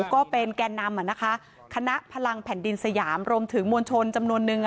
ก็เป็นแก่นำคณะพลังแผ่นดินสยามรวมถึงมวลชนจำนวนนึง